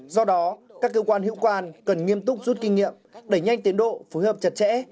do đó các cơ quan hữu quan cần nghiêm túc rút kinh nghiệm đẩy nhanh tiến độ phối hợp chặt chẽ